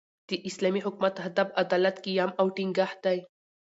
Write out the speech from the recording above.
د اسلامي حکومت، هدف عدالت، قیام او ټینګښت دئ.